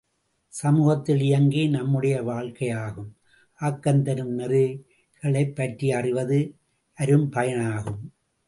சமூகத்தில் இயங்கி நம்முடைய வாழ்க்கைக்கும் ஆக்கம் தரும் நெறிகளைப் பற்றி அறிவது அரும் பயன் ஆகும்.